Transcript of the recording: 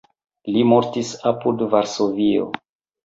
Li mortis apud Varsovio.